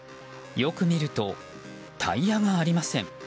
よく見ると、タイヤがありません。